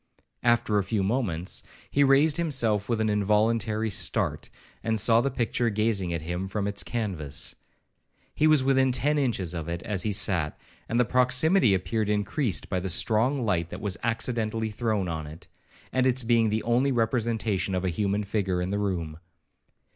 After a few moments, he raised himself with an involuntary start, and saw the picture gazing at him from its canvas. He was within ten inches of it as he sat, and the proximity appeared increased by the strong light that was accidentally thrown on it, and its being the only representation of a human figure in the room.